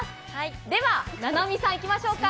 では、菜波さん、行きましょうか。